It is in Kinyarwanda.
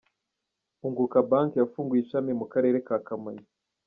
"Unguka Bank" yafunguye ishami mu karere ka Kamonyi.